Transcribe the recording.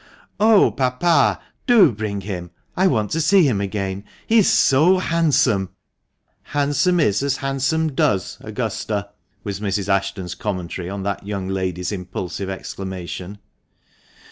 " Oh, papa ! do bring him ; I want to see him again, he is so handsome!" "'Handsome is that handsome does,' Augusta," was Mrs. Ashton's commentary on that young lady's impulsive exclamation.